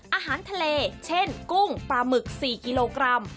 อาหารทะเลเช่นกุ้งปลาหมึก๔กิโลกรัม